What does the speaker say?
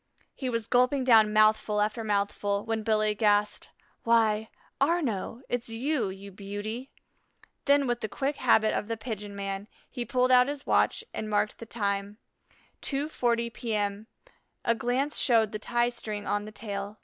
He was gulping down mouthful after mouthful, when Billy gasped: "Why, Arnaux, it's you, you beauty." Then, with the quick habit of the pigeon man, he pulled out his watch and marked the time, 2:40 P.M. A glance showed the tie string on the tail.